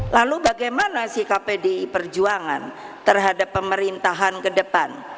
lalu bagaimana sikap pdi perjuangan terhadap pemerintahan ke depan